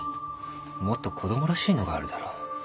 もっと子供らしいのがあるだろ。